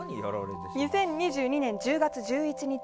２０２２年１０月１１日